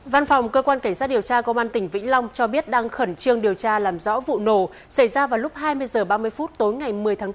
văn phòng cơ quan cảnh sát điều tra công an tỉnh vĩnh long cho biết đang khẩn trương điều tra làm rõ vụ nổ xảy ra vào lúc hai mươi h ba mươi phút tối ngày một mươi tháng bốn